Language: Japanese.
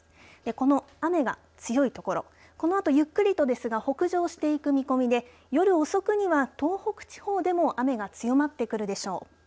この雨が強いところこのあとゆっくりとですが北上していく見込みで夜遅くには東北地方でも雨が強まってくるでしょう。